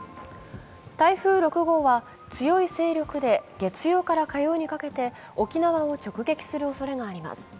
台風６号は強い勢力で月曜から火曜にかけて沖縄を直撃するおそれがあります。